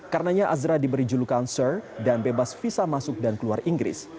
karenanya azra diberi julukan sur dan bebas visa masuk dan keluar inggris